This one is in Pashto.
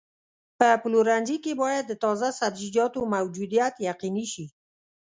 په پلورنځي کې باید د تازه سبزیجاتو موجودیت یقیني شي.